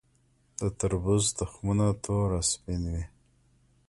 د تربوز تخمونه تور او سپین وي.